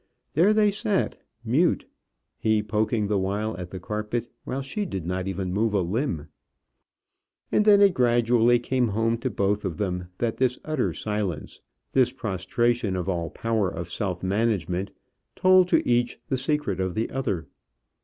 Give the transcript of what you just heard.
There they sat, mute; he poking the while at the carpet, while she did not even move a limb. And then it gradually came home to both of them that this utter silence, this prostration of all power of self management, told to each the secret of the other.